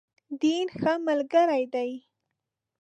دین، ښه ملګری دی.